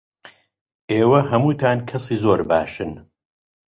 ئێوە هەمووتان کەسی زۆر باشن.